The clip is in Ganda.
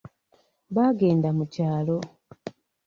Baagenda mu kyalo.